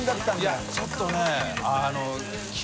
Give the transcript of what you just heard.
いやちょっとね